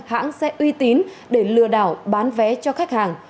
hãng xe uy tín để lừa đảo bán vé cho khách hàng